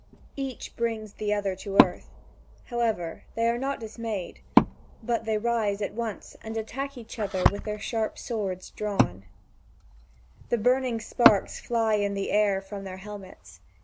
Each brings the other to earth; however, they are not dismayed, but they rise at once and attack each other with their sharp drawn swords. The burning sparks fly in the air from their helmets.